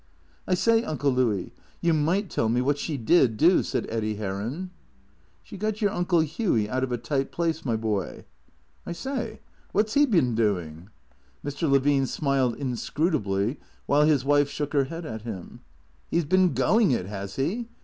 "I say. Uncle Louis, you might tell me what she did do," said Eddy Heron. " She got your TJnclo Hughy out of a tight place, my boy." " I say, what 's he been doing ?" 166 THECEEATOES Mr. Levine smiled inscrutably, while his wife shook her head at him. " He 's been going it, has he